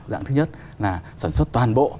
dạng thứ nhất là sản xuất toàn bộ